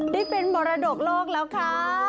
ได้เป็นมรดกโลกแล้วค่ะ